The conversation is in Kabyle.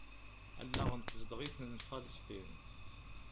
Allaɣen tezdeɣ-iten Falesṭin.